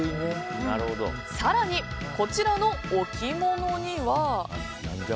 更に、こちらの置き物には。